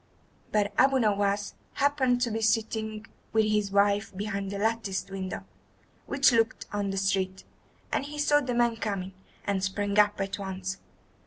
But Abu Nowas happened to be sitting with his wife behind the latticed window, which looked on the street, and he saw the man coming, and sprang up at once.